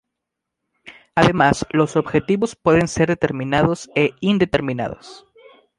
Además, los adjetivos pueden ser determinados e indeterminados.